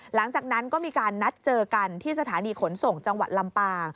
หลังจากนั้นก็มีการนัดเจอกันที่สถานีขนส่งจังหวัดลำปาง